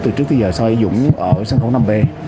từ trước tới giờ so với dũng ở sân khấu năm b